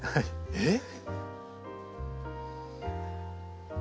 えっ？